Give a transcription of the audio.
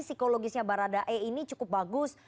psikologisnya baradae ini cukup bagus